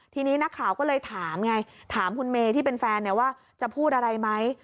ทีนี้นักข่าวก็เลยถามไงถามคุณเมย์ที่เป็นแฟนว่าจะพูดอะไรไหม